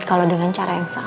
kalau dengan cara yang sama